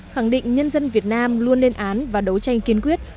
khẳng định nhân dân việt nam luôn nên án và đấu tranh kiến quyết